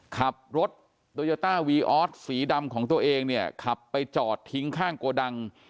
ขับรถโตโยต้าวีออสสีดำของตัวเองเนี่ยขับไปจอดทิ้งข้างโกดัง